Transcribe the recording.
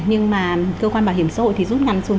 nhưng mà cơ quan bảo hiểm xã hội thì rút ngắn xuống